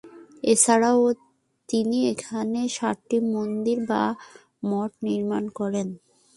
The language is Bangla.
এছাড়াও তিনি এখানে সাতটি মন্দির বা মঠ নির্মাণ করেন।